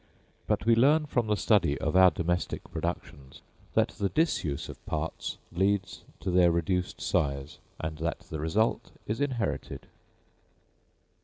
But we learn from the study of our domestic productions that the disuse of parts leads to their reduced size; and that the result is inherited.